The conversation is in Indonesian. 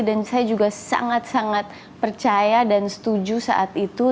dan saya juga sangat sangat percaya dan setuju saat itu